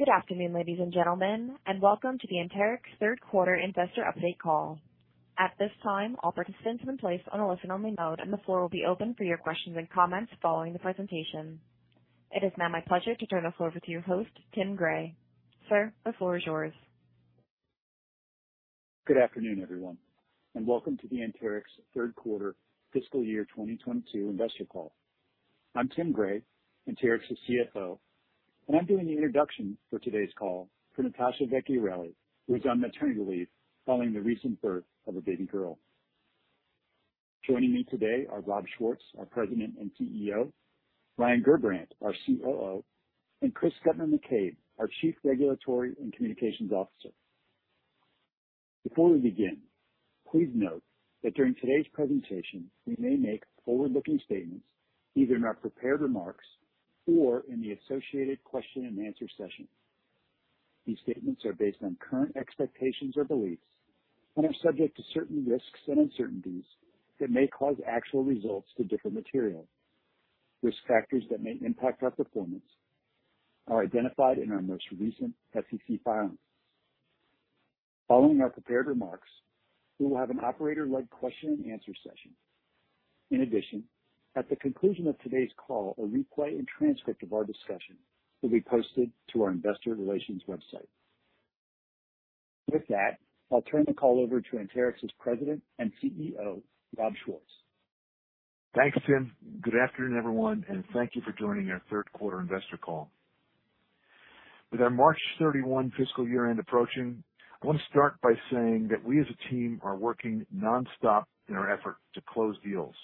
Good afternoon, ladies and gentlemen, and welcome to the Anterix third quarter investor update call. At this time, all participants are in place on a listen-only mode, and the floor will be open for your questions and comments following the presentation. It is now my pleasure to turn the floor over to your host, Timothy Gray. Sir, the floor is yours. Good afternoon, everyone, and welcome to the Anterix third quarter fiscal year 2022 investor call. I'm Timothy Gray, Anterix's CFO, and I'm doing the introduction for today's call for Natasha Vecchiarelli, who's on maternity leave following the recent birth of a baby girl. Joining me today are Rob Schwartz, our President and CEO, Ryan Gerbrandt, our COO, and Chris Guttman-McCabe, our Chief Regulatory and Communications Officer. Before we begin, please note that during today's presentation, we may make forward-looking statements, either in our prepared remarks or in the associated question and answer session. These statements are based on current expectations or beliefs and are subject to certain risks and uncertainties that may cause actual results to differ materially. Risk factors that may impact our performance are identified in our most recent FCC filings. Following our prepared remarks, we will have an operator-led question and answer session. In addition, at the conclusion of today's call, a replay and transcript of our discussion will be posted to our investor relations website. With that, I'll turn the call over to Anterix's President and CEO, Rob Schwartz. Thanks, Tim. Good afternoon, everyone, and thank you for joining our third quarter investor call. With our March 31 fiscal year-end approaching, I wanna start by saying that we as a team are working nonstop in our effort to close deals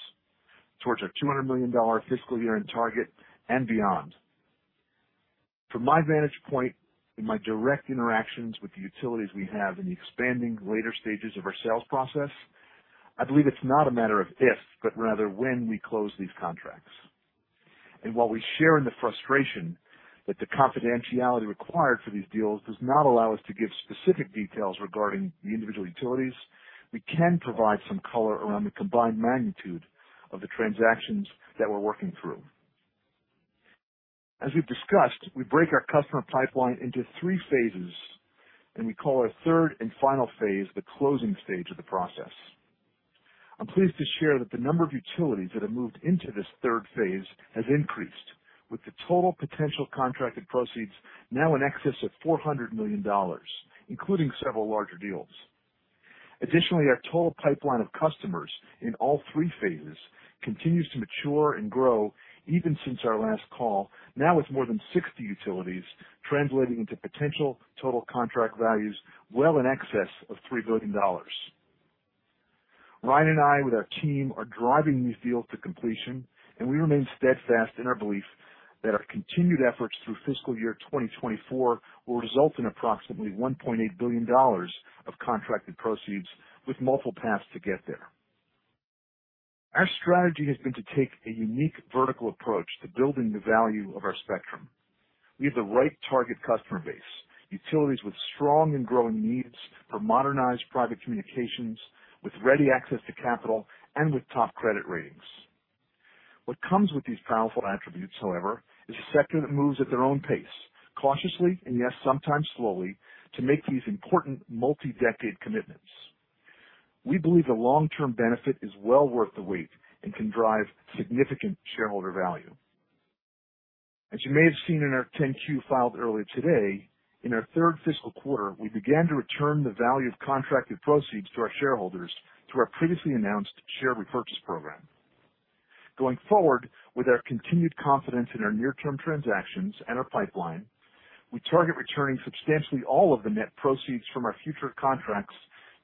towards our $200 million fiscal year-end target and beyond. From my vantage point, in my direct interactions with the utilities we have in the expanding later stages of our sales process, I believe it's not a matter of if, but rather when we close these contracts. While we share in the frustration that the confidentiality required for these deals does not allow us to give specific details regarding the individual utilities, we can provide some color around the combined magnitude of the transactions that we're working through. As we've discussed, we break our customer pipeline into three phases, and we call our third and final phase the closing stage of the process. I'm pleased to share that the number of utilities that have moved into this third phase has increased, with the total potential contracted proceeds now in excess of $400 million, including several larger deals. Additionally, our total pipeline of customers in all three phases continues to mature and grow even since our last call, now with more than 60 utilities translating into potential total contract values well in excess of $3 billion. Ryan and I with our team are driving these deals to completion, and we remain steadfast in our belief that our continued efforts through fiscal year 2024 will result in approximately $1.8 billion of contracted proceeds with multiple paths to get there. Our strategy has been to take a unique vertical approach to building the value of our spectrum. We have the right target customer base, utilities with strong and growing needs for modernized private communications, with ready access to capital and with top credit ratings. What comes with these powerful attributes, however, is a sector that moves at their own pace, cautiously, and yes, sometimes slowly, to make these important multi-decade commitments. We believe the long-term benefit is well worth the wait and can drive significant shareholder value. As you may have seen in our 10-Q filed earlier today, in our third fiscal quarter, we began to return the value of contracted proceeds to our shareholders through our previously announced share repurchase program. Going forward, with our continued confidence in our near-term transactions and our pipeline, we target returning substantially all of the net proceeds from our future contracts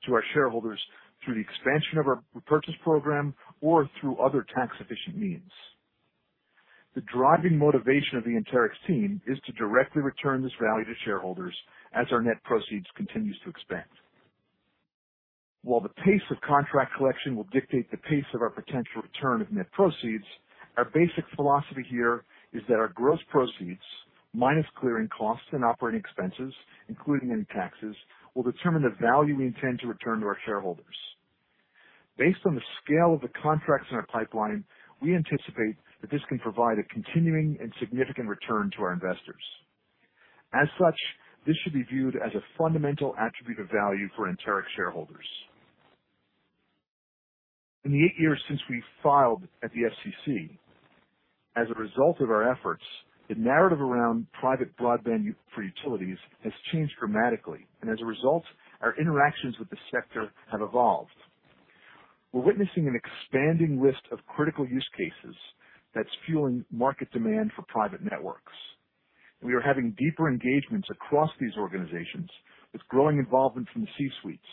to our shareholders through the expansion of our repurchase program or through other tax-efficient means. The driving motivation of the Anterix team is to directly return this value to shareholders as our net proceeds continues to expand. While the pace of contract collection will dictate the pace of our potential return of net proceeds, our basic philosophy here is that our gross proceeds, minus clearing costs and operating expenses, including any taxes, will determine the value we intend to return to our shareholders. Based on the scale of the contracts in our pipeline, we anticipate that this can provide a continuing and significant return to our investors. As such, this should be viewed as a fundamental attribute of value for Anterix shareholders. In the eight years since we filed at the FCC, as a result of our efforts, the narrative around private broadband for utilities has changed dramatically, and as a result, our interactions with the sector have evolved. We're witnessing an expanding list of critical use cases that's fueling market demand for private networks. We are having deeper engagements across these organizations with growing involvement from the C-suites.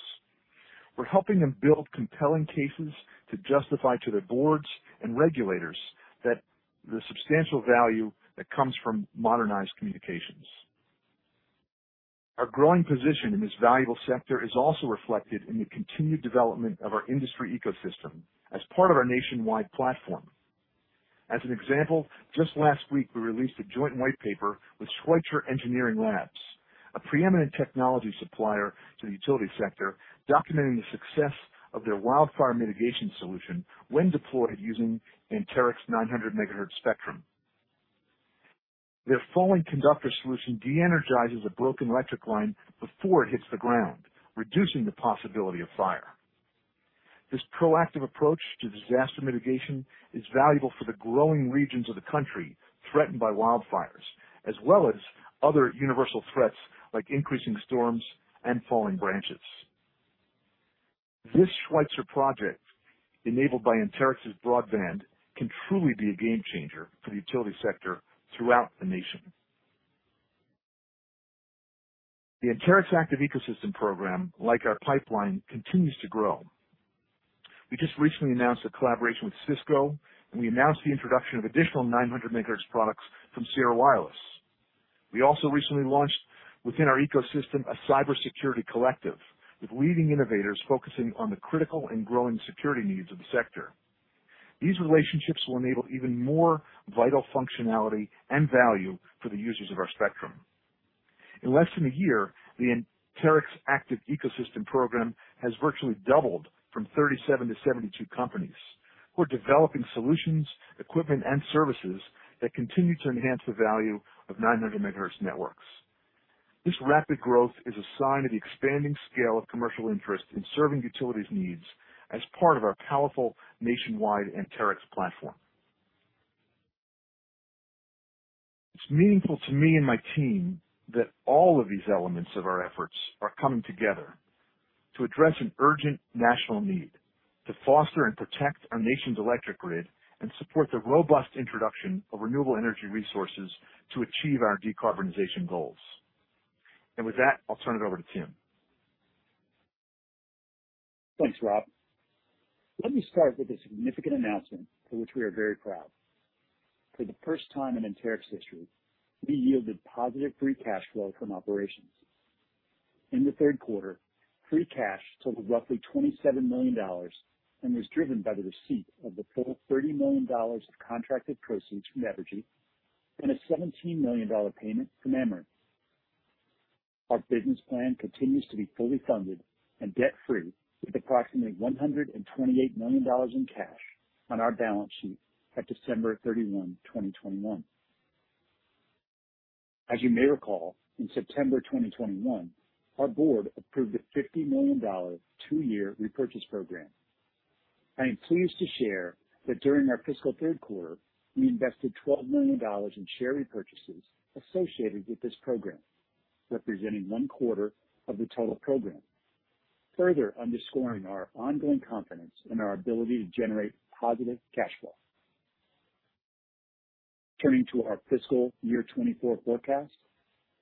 We're helping them build compelling cases to justify to their boards and regulators that the substantial value that comes from modernized communications. Our growing position in this valuable sector is also reflected in the continued development of our industry ecosystem as part of our nationwide platform. As an example, just last week, we released a joint white paper with Schweitzer Engineering Laboratories, a preeminent technology supplier to the utility sector, documenting the success of their wildfire mitigation solution when deployed using Anterix 900 MHz spectrum. Their falling conductor solution de-energizes a broken electric line before it hits the ground, reducing the possibility of fire. This proactive approach to disaster mitigation is valuable for the growing regions of the country threatened by wildfires, as well as other universal threats like increasing storms and falling branches. This Schweitzer project, enabled by Anterix's broadband, can truly be a game-changer for the utility sector throughout the nation. The Anterix Active Ecosystem program, like our pipeline, continues to grow. We just recently announced a collaboration with Cisco, and we announced the introduction of additional 900 MHz products from Sierra Wireless. We also recently launched within our ecosystem a cybersecurity collective with leading innovators focusing on the critical and growing security needs of the sector. These relationships will enable even more vital functionality and value for the users of our spectrum. In less than a year, the Anterix Active Ecosystem program has virtually doubled from 37 to 72 companies who are developing solutions, equipment, and services that continue to enhance the value of 900 MHz networks. This rapid growth is a sign of the expanding scale of commercial interest in serving utilities' needs as part of our powerful nationwide Anterix platform. It's meaningful to me and my team that all of these elements of our efforts are coming together to address an urgent national need to foster and protect our nation's electric grid and support the robust introduction of renewable energy resources to achieve our decarbonization goals. With that, I'll turn it over to Tim. Thanks, Rob. Let me start with a significant announcement for which we are very proud. For the first time in Anterix history, we yielded positive free cash flow from operations. In the third quarter, free cash totaled roughly $27 million and was driven by the receipt of the full $30 million of contracted proceeds from Evergy and a $17 million payment from Emera. Our business plan continues to be fully funded and debt-free with approximately $128 million in cash on our balance sheet at December 31, 2021. As you may recall, in September 2021, our board approved a $50 million two-year repurchase program. I am pleased to share that during our fiscal third quarter, we invested $12 million in share repurchases associated with this program, representing one quarter of the total program, further underscoring our ongoing confidence in our ability to generate positive cash flow. Turning to our FY 2024 forecast.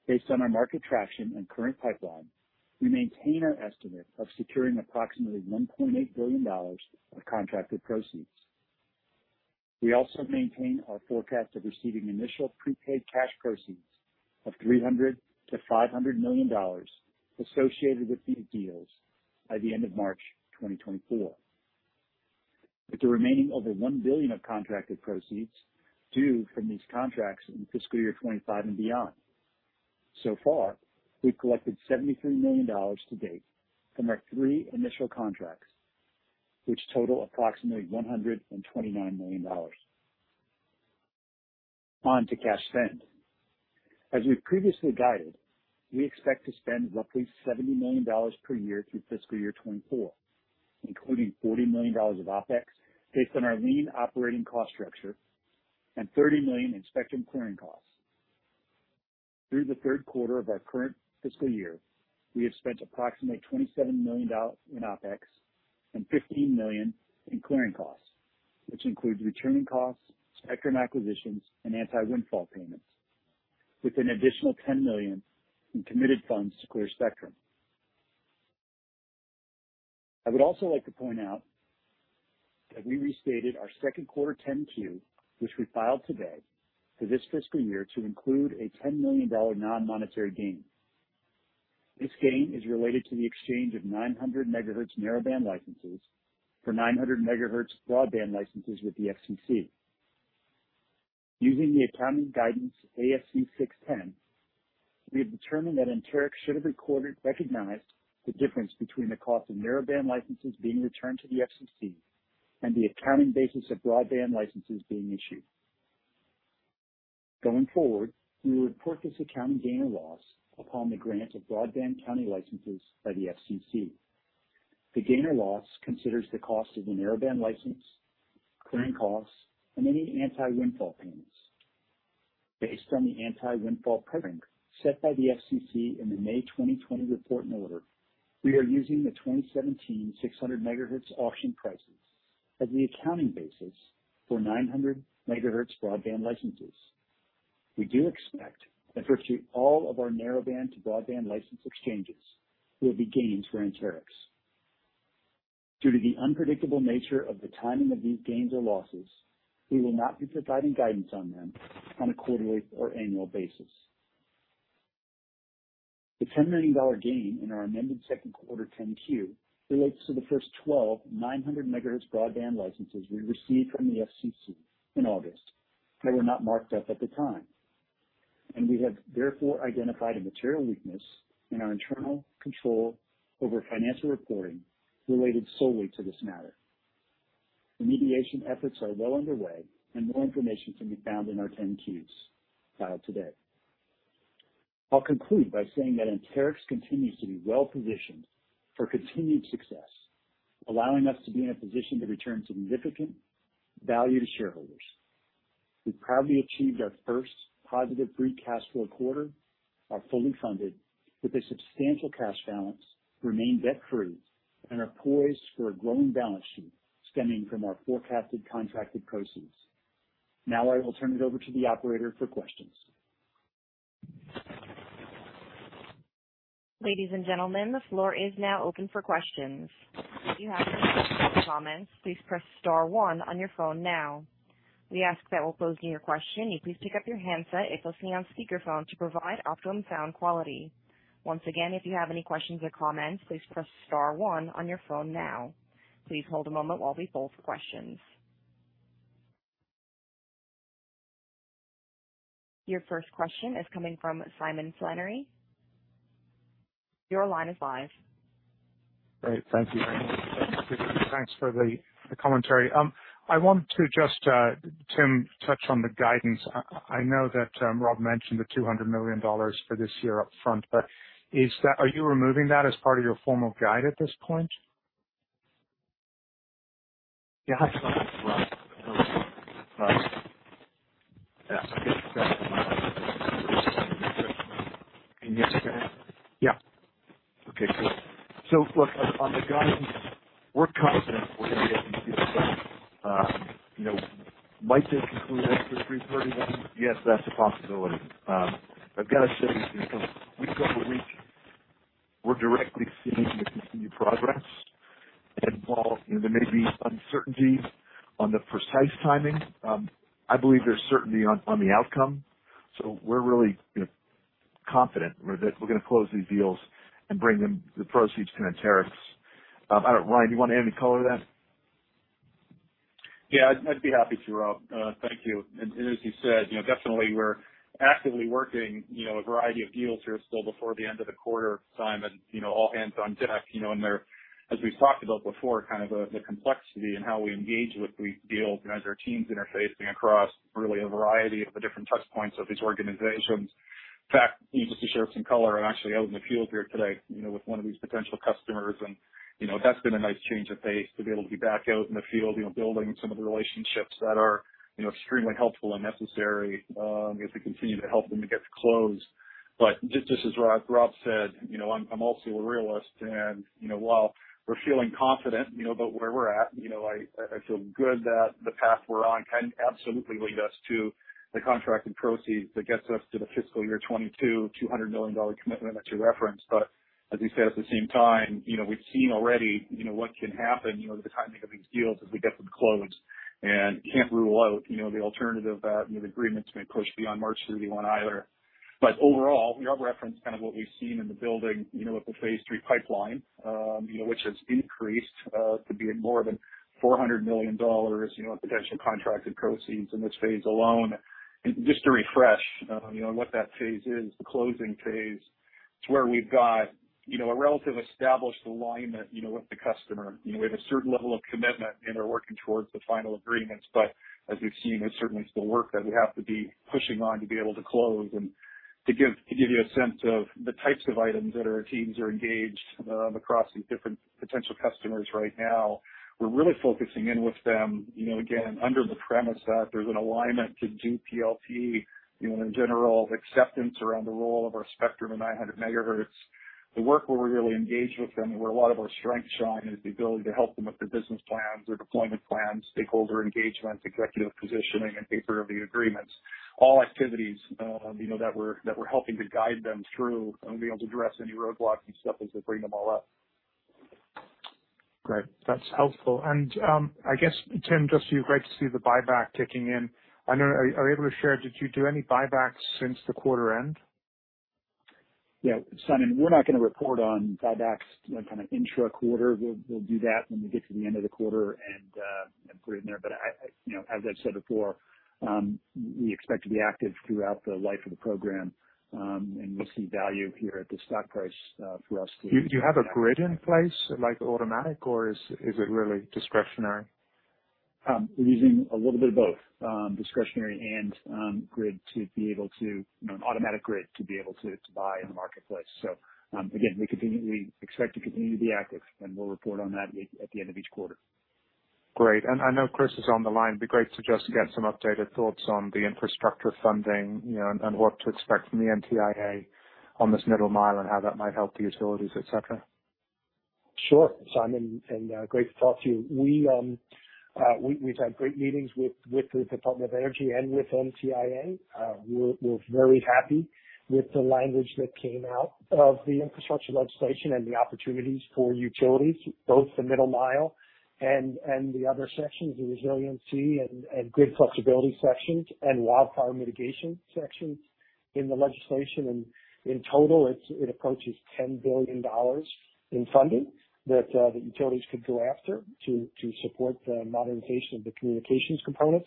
Based on our market traction and current pipeline, we maintain our estimate of securing approximately $1.8 billion of contracted proceeds. We also maintain our forecast of receiving initial prepaid cash proceeds of $300 million-$500 million associated with these deals by the end of March 2024, with the remaining over $1 billion of contracted proceeds due from these contracts in FY 2025 and beyond. So far, we've collected $73 million to date from our three initial contracts, which total approximately $129 million. On to cash spend. As we've previously guided, we expect to spend roughly $70 million per year through fiscal year 2024, including $40 million of OpEx based on our lean operating cost structure and $30 million in spectrum clearing costs. Through the third quarter of our current fiscal year, we have spent approximately $27 million in OpEx and $15 million in clearing costs, which includes returning costs, spectrum acquisitions, and anti-windfall payments, with an additional $10 million in committed funds to clear spectrum. I would also like to point out that we restated our second quarter 10-Q, which we filed today for this fiscal year to include a $10 million non-monetary gain. This gain is related to the exchange of 900 MHz narrowband licenses for 900 MHz broadband licenses with the FCC. Using the accounting guidance ASC 610-20, we have determined that Anterix should have recorded, recognized the difference between the cost of narrowband licenses being returned to the FCC and the accounting basis of broadband licenses being issued. Going forward, we will report this accounting gain or loss upon the grant of broadband county licenses by the FCC. The gain or loss considers the cost of the narrowband license, clearing costs, and any anti-windfall payments. Based on the anti-windfall ceiling set by the FCC in the May 2020 Report and Order, we are using the 2017 600 MHz auction prices as the accounting basis for 900 MHz broadband licenses. We do expect that virtually all of our narrowband to broadband license exchanges will be gains for Anterix. Due to the unpredictable nature of the timing of these gains or losses, we will not be providing guidance on them on a quarterly or annual basis. The $10 million gain in our amended second quarter 10-Q relates to the first 12 900 MHz broadband licenses we received from the FCC in August. They were not marked up at the time, and we have therefore identified a material weakness in our internal control over financial reporting related solely to this matter. Remediation efforts are well underway, and more information can be found in our 10-Qs filed today. I'll conclude by saying that Anterix continues to be well positioned for continued success, allowing us to be in a position to return significant value to shareholders. We proudly achieved our first positive free cash flow quarter, are fully funded with a substantial cash balance, remain debt-free, and are poised for a growing balance sheet stemming from our forecasted contracted proceeds. Now I will turn it over to the operator for questions. Ladies and gentlemen, the floor is now open for questions. If you have any questions or comments, please press star one on your phone now. We ask that while posing your question, you please pick up your handset if listening on speakerphone to provide optimum sound quality. Once again, if you have any questions or comments, please press star one on your phone now. Please hold a moment while we poll for questions. Your first question is coming from Simon Flannery. Your line is live. Great. Thank you. Thanks for the commentary. I want to just, Tim, touch on the guidance. I know that, Rob mentioned the $200 million for this year up front, but are you removing that as part of your formal guide at this point? Yeah. Hi, Simon. Rob Yes. Can you hear me okay? Yeah. Okay, cool. Look on the guidance, we're confident we're gonna be able to get this done. You know, might this conclude after the 3/31? Yes, that's a possibility. I've gotta say, you know, week-over-week, we're directly seeing the continued progress. While, you know, there may be uncertainty on the precise timing, I believe there's certainty on the outcome. We're really, you know, confident we're gonna close these deals and bring the proceeds to Anterix. Ryan, you wanna add any color to that? I'd be happy to, Rob. Thank you. As you said, you know, definitely we're actively working, you know, a variety of deals here still before the end of the quarter, Simon, you know, all hands on deck, you know. As we've talked about before, kind of, the complexity in how we engage with these deals and as our teams interfacing across really a variety of the different touch points of these organizations. In fact, just to share some color, I'm actually out in the field here today, you know, with one of these potential customers. You know, that's been a nice change of pace to be able to be back out in the field, you know, building some of the relationships that are, you know, extremely helpful and necessary, as we continue to help them to get to closed. Just as Rob said, you know, I'm also a realist. While we're feeling confident, you know, about where we're at, you know, I feel good that the path we're on can absolutely lead us to the contracted proceeds that gets us to the fiscal year 2022 $200 million commitment that you referenced. But as we said at the same time, you know, we've seen already, you know, what can happen, you know, with the timing of these deals as we get them closed. We can't rule out, you know, the alternative that, you know, the agreements may push beyond March 31 either. Overall, you know, reference kind of what we've seen in the building, you know, with the phase three pipeline, you know, which has increased to be more than $400 million, you know, in potential contracted proceeds in this phase alone. Just to refresh, you know, on what that phase is, the closing phase. It's where we've got, you know, a relative established alignment, you know, with the customer. You know, we have a certain level of commitment, and they're working towards the final agreements. As we've seen, there's certainly still work that we have to be pushing on to be able to close. To give you a sense of the types of items that our teams are engaged across these different potential customers right now, we're really focusing in with them. You know, again, under the premise that there's an alignment to dPLT, you know, and a general acceptance around the role of our spectrum of 900 MHz. The work where we're really engaged with them and where a lot of our strengths shine is the ability to help them with their business plans, their deployment plans, stakeholder engagement, executive positioning, and paper review agreements. All activities, you know, that we're helping to guide them through and be able to address any roadblocks and stuff as they bring them all up. Great. That's helpful. I guess, Tim, just be great to see the buyback kicking in. I know. Are you able to share? Did you do any buybacks since the quarter end? Yeah. Simon, we're not gonna report on buybacks, you know, kind of intra-quarter. We'll do that when we get to the end of the quarter and include it in there. I, you know, as I've said before, we expect to be active throughout the life of the program, and we see value here at the stock price, for us to- Do you have a grid in place, like automatic or is it really discretionary? We're using a little bit of both, discretionary and grid to be able to, you know, an automatic grid to be able to to buy in the marketplace. Again, we expect to continue to be active and we'll report on that at the end of each quarter. Great. I know Chris is on the line. It'd be great to just get some updated thoughts on the infrastructure funding, you know, and what to expect from the NTIA on this middle mile and how that might help the utilities, et cetera. Sure, Simon. Great to talk to you. We've had great meetings with the Department of Energy and with NTIA. We're very happy with the language that came out of the infrastructure legislation and the opportunities for utilities, both the middle mile and the other sections, the resiliency and grid flexibility sections and wildfire mitigation sections. In the legislation and in total, it approaches $10 billion in funding that the utilities could go after to support the modernization of the communications component.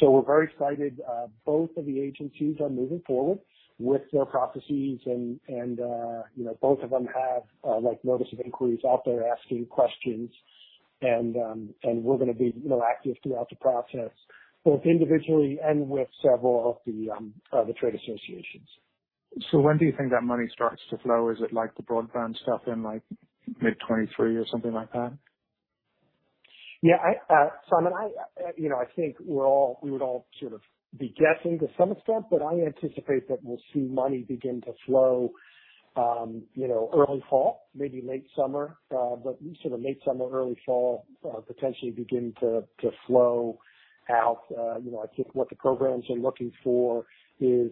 We're very excited, both of the agencies are moving forward with their processes and you know, both of them have like notices of inquiry out there asking questions. We're gonna be you know, active throughout the process, both individually and with several of the trade associations. When do you think that money starts to flow? Is it like the broadband stuff in, like, mid 2023 or something like that? Yeah, Simon, you know, I think we would all sort of be guessing to some extent, but I anticipate that we'll see money begin to flow, you know, early fall, maybe late summer, but sort of late summer, early fall, potentially begin to flow out. You know, I think what the programs are looking for is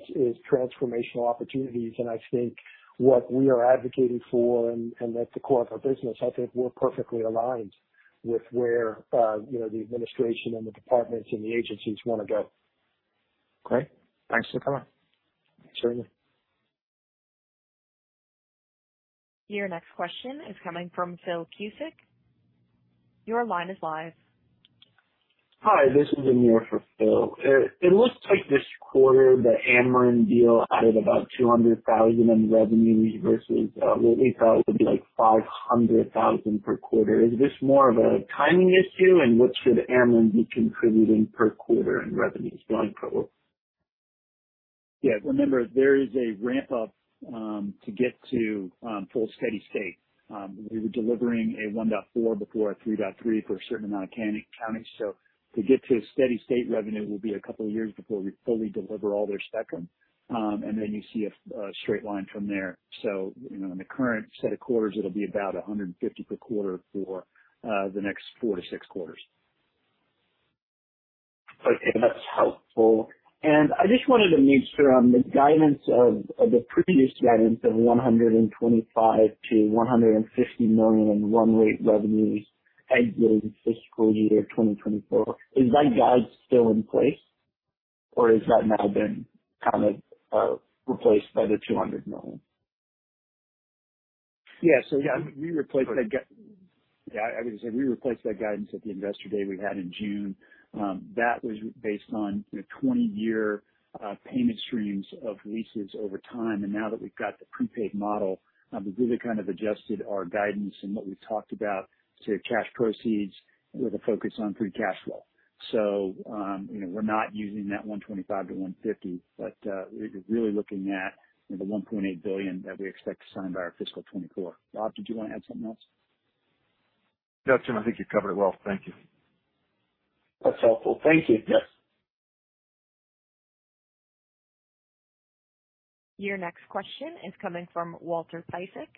transformational opportunities. I think what we are advocating for and that's the core of our business, I think we're perfectly aligned with where you know the administration and the departments and the agencies wanna go. Okay. Thanks for coming. Sure. Your next question is coming from Philip Cusick. Your line is live. Hi, this is Amir for Phil. It looks like this quarter, the Ameren deal added about $200,000 in revenue versus what we thought would be, like, $500,000 per quarter. Is this more of a timing issue? What should Ameren be contributing per quarter in revenues going forward? Yeah. Remember, there is a ramp up to get to full steady state. We were delivering a $1.4 before a $3.3 for a certain amount of counties. To get to a steady state revenue will be a couple of years before we fully deliver all their spectrum. Then you see a straight line from there. You know, in the current set of quarters, it'll be about $150 per quarter for the next 4-6 quarters. Okay. That's helpful. I just wanted to make sure on the guidance of the previous guidance of $125 million-$150 million in run rate revenues ending fiscal year 2024, is that guide still in place, or has that now been kind of replaced by the $200 million? I was gonna say we replaced that guidance at the investor day we had in June. That was based on, you know, 20-year payment streams of leases over time. Now that we've got the prepaid model, we've really kind of adjusted our guidance and what we talked about to cash proceeds with a focus on free cash flow. You know, we're not using that $125 million-$150 million, but we're really looking at, you know, the $1.8 billion that we expect to sign by our fiscal 2024. Rob, did you wanna add something else? No, Tim, I think you covered it well. Thank you. That's helpful. Thank you. Yes. Your next question is coming from Walter Piecyk.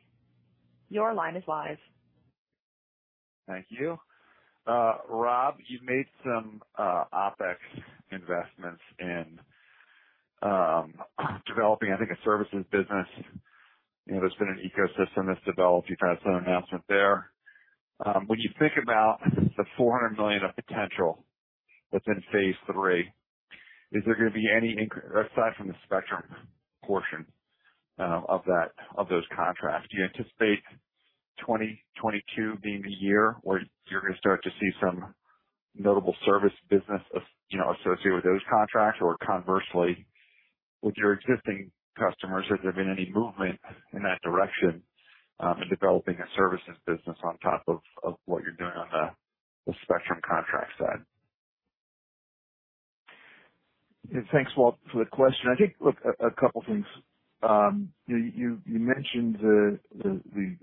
Your line is live. Thank you. Rob, you've made some OPEX investments in developing, I think, a services business. You know, there's been an ecosystem that's developed. You've had some announcement there. When you think about the $400 million of potential that's in phase three, is there gonna be any aside from the spectrum portion of that, of those contracts, do you anticipate 2022 being the year where you're gonna start to see some notable service business as, you know, associated with those contracts? Or conversely, with your existing customers, has there been any movement in that direction in developing a services business on top of what you're doing on the spectrum contract side? Yeah. Thanks, Walt, for the question. I think, look, a couple things. You mentioned the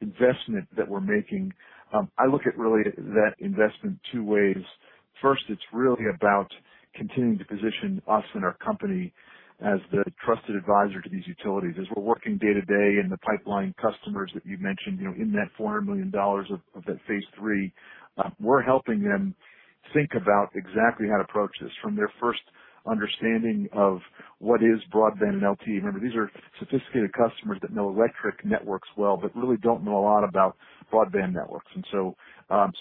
investment that we're making. I look at really that investment two ways. First, it's really about continuing to position us and our company as the trusted advisor to these utilities. As we're working day to day in the pipeline customers that you've mentioned, you know, in that $400 million of that phase three, we're helping them think about exactly how to approach this from their first understanding of what is broadband and LTE. Remember, these are sophisticated customers that know electric networks well, but really don't know a lot about broadband networks.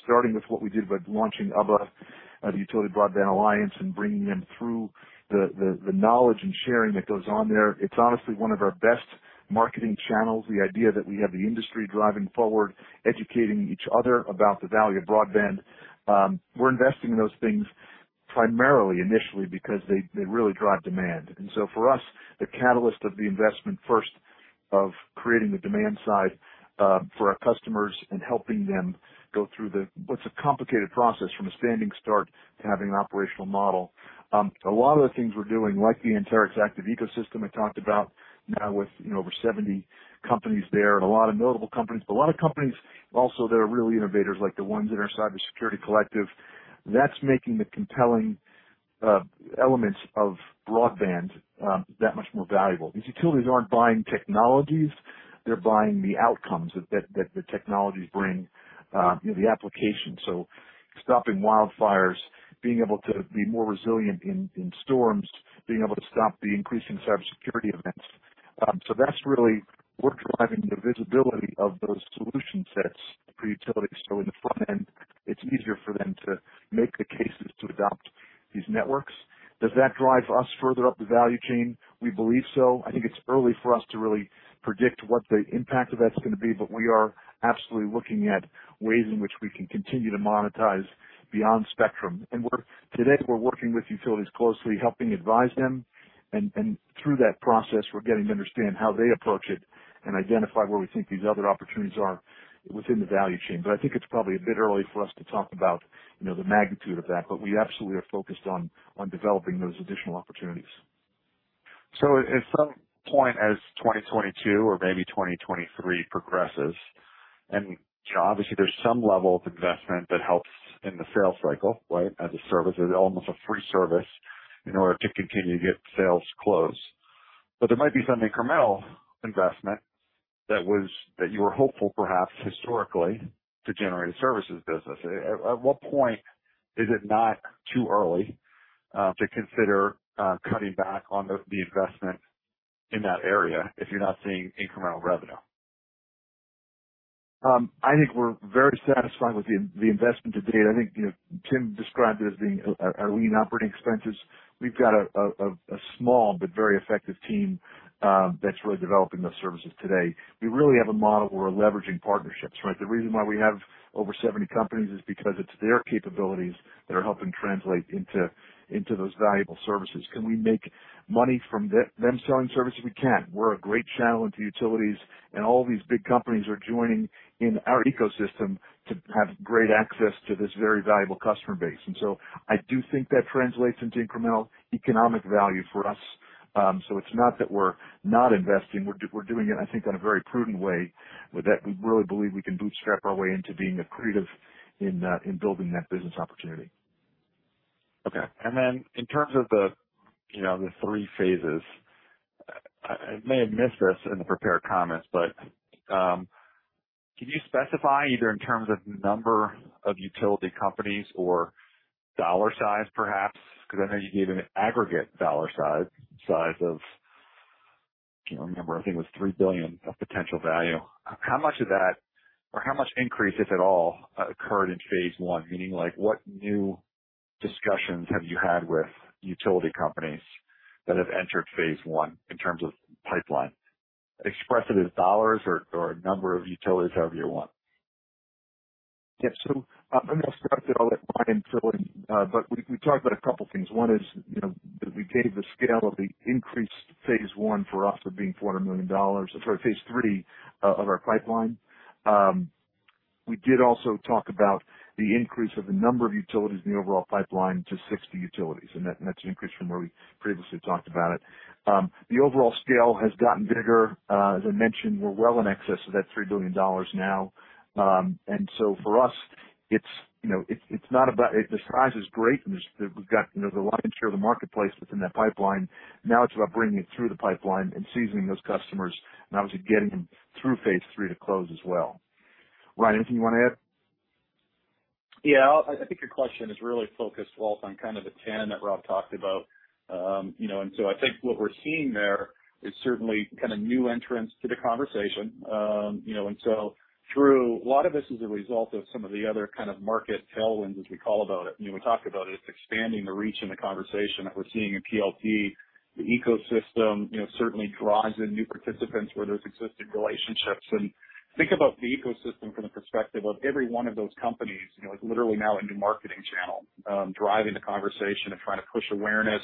Starting with what we did by launching UBA, the Utility Broadband Alliance, and bringing them through the knowledge and sharing that goes on there, it's honestly one of our best marketing channels, the idea that we have the industry driving forward, educating each other about the value of broadband. We're investing in those things primarily initially because they really drive demand. For us, the catalyst of the investment, first of creating the demand side, for our customers and helping them go through what's a complicated process from a standing start to having an operational model. A lot of the things we're doing, like the Anterix Active Ecosystem I talked about now with, you know, over 70 companies there and a lot of notable companies, but a lot of companies also that are really innovators, like the ones in our cybersecurity collective, that's making the compelling elements of broadband that much more valuable. These utilities aren't buying technologies, they're buying the outcomes that the technologies bring, you know, the application. Stopping wildfires, being able to be more resilient in storms, being able to stop the increasing cybersecurity events. That's really we're driving the visibility of those solution sets for utilities. In the front end, it's easier for them to make the cases to adopt these networks. Does that drive us further up the value chain? We believe so. I think it's early for us to really predict what the impact of that's gonna be, but we are absolutely looking at ways in which we can continue to monetize beyond spectrum. Today, we're working with utilities closely, helping advise them. Through that process, we're getting to understand how they approach it and identify where we think these other opportunities are within the value chain. I think it's probably a bit early for us to talk about, you know, the magnitude of that. We absolutely are focused on developing those additional opportunities. At some point as 2022 or maybe 2023 progresses, and obviously there's some level of investment that helps in the sales cycle, right? As a service, almost a free service in order to continue to get sales closed. But there might be some incremental investment that you were hopeful, perhaps historically, to generate a services business. At what point is it not too early to consider cutting back on the investment in that area if you're not seeing incremental revenue? I think we're very satisfied with the investment to date. I think, you know, Tim described it as being our lean operating expenses. We've got a small but very effective team that's really developing those services today. We really have a model where we're leveraging partnerships, right? The reason why we have over 70 companies is because it's their capabilities that are helping translate into those valuable services. Can we make money from them selling services? We can. We're a great channel into utilities, and all these big companies are joining in our ecosystem to have great access to this very valuable customer base. I do think that translates into incremental economic value for us. It's not that we're not investing. We're doing it, I think, in a very prudent way, but that we really believe we can bootstrap our way into being accretive in building that business opportunity. Okay. In terms of the, you know, the three phases, I may have missed this in the prepared comments, but can you specify either in terms of number of utility companies or dollar size, perhaps, because I know you gave an aggregate dollar size of, I can't remember. I think it was $3 billion of potential value. How much of that or how much increase, if at all, occurred in phase one? Meaning, like, what new discussions have you had with utility companies that have entered phase one in terms of pipeline? Express it as dollars or number of utilities, however you want. Yeah, maybe I'll start, then I'll let Ryan fill in. We talked about a couple things. One is, you know, that we gave the scale of the increased phase one for us of being $400 million, or sorry, phase three of our pipeline. We did also talk about the increase of the number of utilities in the overall pipeline to 60 utilities, and that's an increase from where we previously talked about it. The overall scale has gotten bigger. As I mentioned, we're well in excess of that $3 billion now. For us, it's, you know, it's not about, the size is great, and there's, we've got, you know, the lion's share of the marketplace that's in that pipeline. Now it's about bringing it through the pipeline and seasoning those customers and obviously getting them through phase three to close as well. Ryan, anything you wanna add? Yeah. I think your question is really focused, Walt, on kind of the 10 that Rob talked about. You know, I think what we're seeing there is certainly kind of new entrants to the conversation. You know, through a lot of this is a result of some of the other kind of market tailwinds, as we call it. You know, we talked about it. It's expanding the reach in the conversation that we're seeing in PLT. The ecosystem, you know, certainly draws in new participants where there's existing relationships. Think about the ecosystem from the perspective of every one of those companies, you know, is literally now a new marketing channel, driving the conversation and trying to push awareness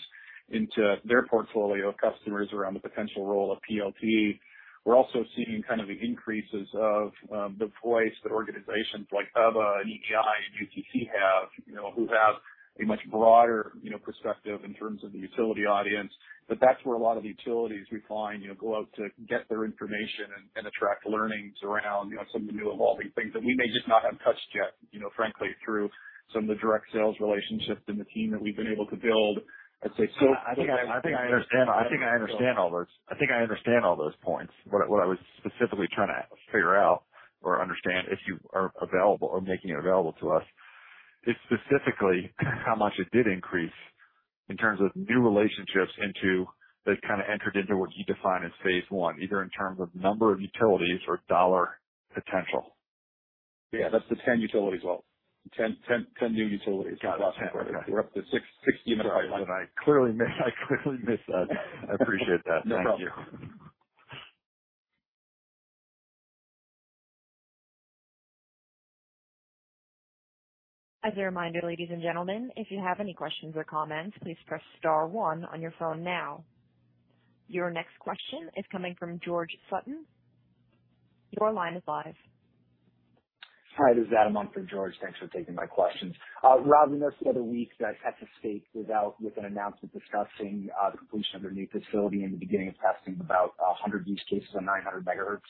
into their portfolio of customers around the potential role of PLT. We're also seeing kind of the increases of the voice that organizations like UBBA and EEI and UTC have, you know, who have a much broader, you know, perspective in terms of the utility audience. That's where a lot of the utilities we find, you know, go out to get their information and attract learnings around, you know, some of the new evolving things that we may just not have touched yet, you know, frankly, through some of the direct sales relationships and the team that we've been able to build, I'd say- I think I understand all those points. What I was specifically trying to figure out or understand if you are available or making it available to us is specifically how much it did increase in terms of new relationships into that kind of entered into what you define as phase one, either in terms of number of utilities or dollar potential. Yeah, that's the 10 utilities, Walt. 10 new utilities. Got it. We're up to 660 in the pipeline. I clearly missed that. I appreciate that. No problem. Thank you. As a reminder, ladies and gentlemen, if you have any questions or comments, please press star one on your phone now. Your next question is coming from George Sutton. Your line is live. Hi, this is Adam Monk for George. Thanks for taking my questions. Rob, in this other week that Texas State was out with an announcement discussing the completion of their new facility and the beginning of testing about 100 use cases on 900 MHz.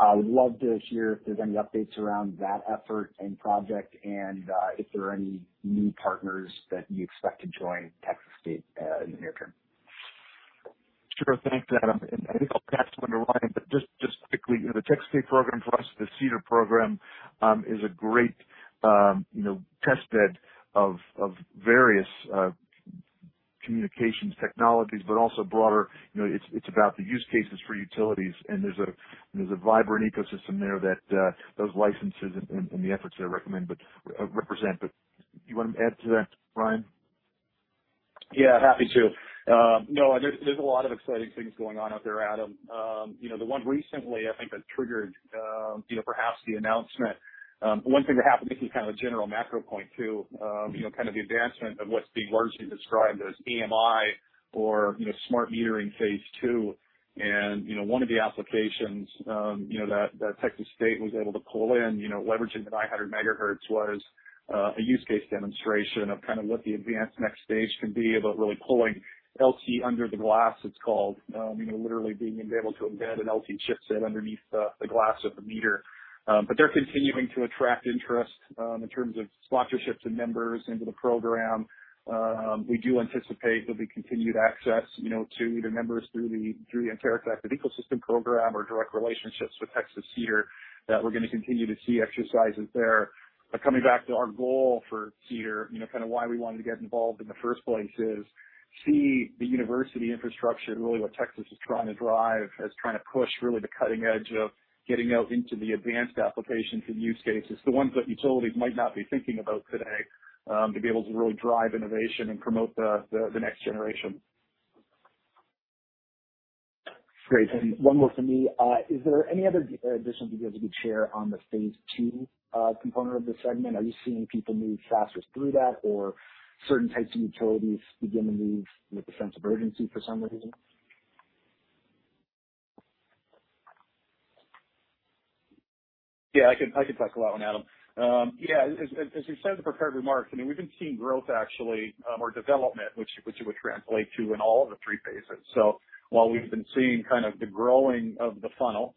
I would love to hear if there's any updates around that effort and project and, if there are any new partners that you expect to join Texas State in the near term. Sure. Thanks, Adam, and I think I'll pass one to Ryan. Just quickly, the Texas State program for us, the CIEDAR program, is a great you know test bed of various communications technologies, but also broader. You know, it's about the use cases for utilities and there's a vibrant ecosystem there that those licenses and the efforts there represent. You wanna add to that, Ryan? Yeah, happy to. No, I mean, there's a lot of exciting things going on out there, Adam. You know, the one recently I think that triggered, you know, perhaps the announcement. One thing that happened, this is kind of a general macro point too, you know, kind of the advancement of what's being largely described as AMI or, you know, smart metering phase two. You know, one of the applications, you know, that Texas State was able to pull in, you know, leveraging the 900 MHz was a use case demonstration of kind of what the advanced next stage can be about really pulling LTE under the glass, it's called. You know, literally being able to embed an LTE chipset underneath the glass of the meter. They're continuing to attract interest in terms of sponsorships and members into the program. We do anticipate there'll be continued access, you know, to the members through the Anterix Active Ecosystem program or direct relationships with Texas CIEDAR, that we're gonna continue to see exercises there. Coming back to our goal for CIEDAR, you know, kind of why we wanted to get involved in the first place is to see the university infrastructure and really what Texas is trying to drive, trying to push really the cutting edge of getting out into the advanced applications and use cases, the ones that utilities might not be thinking about today, to be able to really drive innovation and promote the next generation. Great. One more for me. Is there any other additional details you could share on the phase two component of this segment? Are you seeing people move faster through that or certain types of utilities begin to move with a sense of urgency for some reason? Yeah, I can talk about one, Adam. Yeah, as you said in the prepared remarks, I mean, we've been seeing growth actually, or development which it would translate to in all of the three phases. While we've been seeing kind of the growing of the funnel,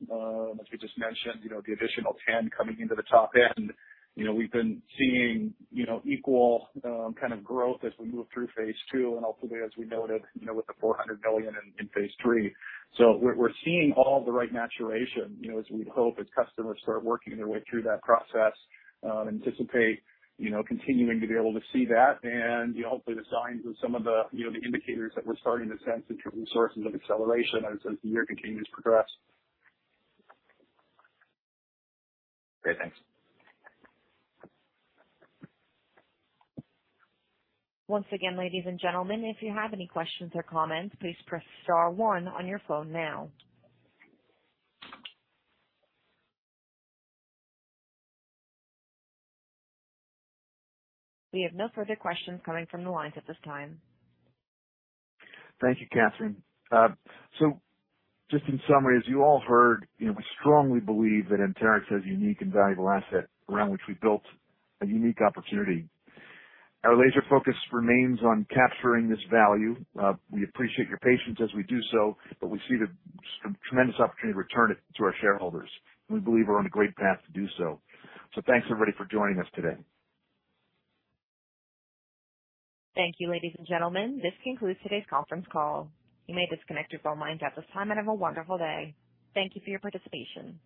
as we just mentioned, you know, the additional 10 coming into the top end, you know, we've been seeing, you know, equal kind of growth as we move through phase two and hopefully as we noted, you know, with the $400 million in phase three. We're seeing all the right maturation, you know, as we'd hope as customers start working their way through that process. We anticipate, you know, continuing to be able to see that. You know, hopefully the signs of some of the, you know, the indicators that we're starting to sense in terms of sources of acceleration as the year continues to progress. Great. Thanks. Once again, ladies and gentlemen, if you have any questions or comments, please press star one on your phone now. We have no further questions coming from the lines at this time. Thank you, Catherine. Just in summary, as you all heard, you know, we strongly believe that Anterix has a unique and valuable asset around which we built a unique opportunity. Our laser focus remains on capturing this value. We appreciate your patience as we do so, but we see the tremendous opportunity to return it to our shareholders, and we believe we're on a great path to do so. Thanks everybody for joining us today. Thank you, ladies and gentlemen. This concludes today's conference call. You may disconnect your phone lines at this time, and have a wonderful day. Thank you for your participation.